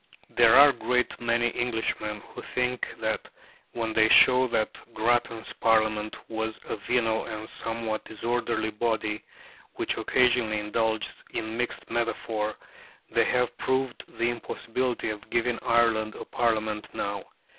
There are a great many Englishmen who think that when they show that Grattan's Parliament was a venal and somewhat disorderly body, which occasionally indulged in mixed metaphor, they have proved the impossibility of giving Ireland a Parliament now.